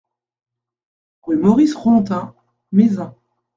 Rue Maurice Rontin, Mézin